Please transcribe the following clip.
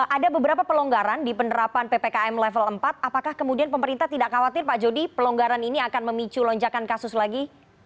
ada beberapa pelonggaran di penerapan ppkm level empat apakah kemudian pemerintah tidak khawatir pak jody pelonggaran ini akan memicu lonjakan kasus lagi